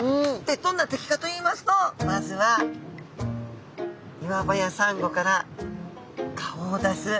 どんな敵かといいますとまずは岩場やサンゴから顔を出す。